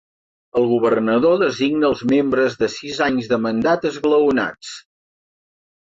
El governador designa els membres de sis anys de mandat esglaonats.